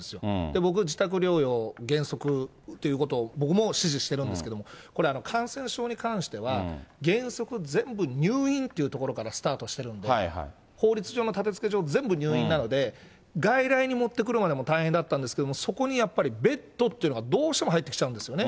僕は自宅療養原則ということを僕も支持してるんですけれども、これは感染症に関しては、原則全部入院っていうところからスタートしてるんで、法律上の立てつけ上、入院なので、外来に持ってくるまでも大変だったんですけども、そこにやっぱり、ベッドっていうのがどうしても入ってきちゃうんですよね。